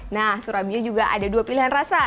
nah surabia juga ada dua pilihan rasa